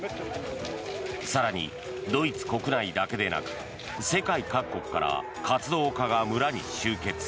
更に、ドイツ国内だけでなく世界各国から活動家が村に集結。